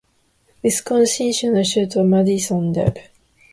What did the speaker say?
ウィスコンシン州の州都はマディソンである